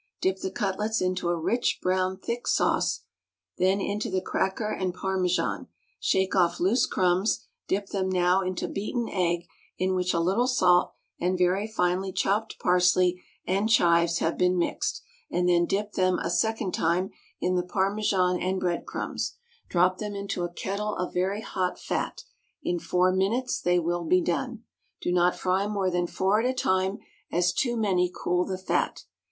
Dip the cutlets into rich thick brown sauce,[90 †] then into the cracker and Parmesan; shake off loose crumbs; dip them now into beaten egg in which a little salt and very finely chopped parsley and chives have been mixed, and then dip them a second time in the Parmesan and bread crumbs; drop them into a kettle of very hot fat; in four minutes they will be done. Do not fry more than four at a time, as too many cool the fat.